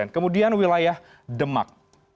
kemudian wilayah demak